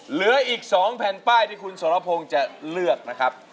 เหลืออีก๒แผ่นป้ายที่คุณสรพงศ์จะเลือกนะครับ